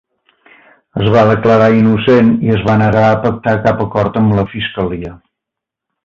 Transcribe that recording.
Es va declarar innocent i es va negar a pactar cap acord amb la fiscalia.